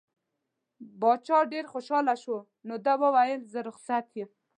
باچا ډېر خوشحاله شو نو ده وویل زه رخصت یم.